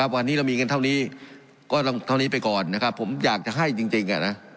วันนี้เรามีเงินเท่านี้ก็เท่านี้ไปก่อนนะครับผมอยากจะให้จริง